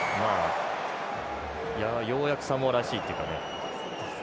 ようやくサモアらしいというか。